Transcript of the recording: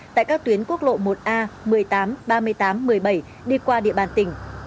tại các tuyến quốc lộ một a một mươi tám ba mươi tám một mươi bảy đi qua địa bàn tỉnh